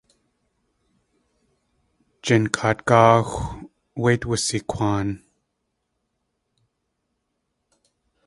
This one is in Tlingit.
Jinkaat gáaxw wéit wusikwaan.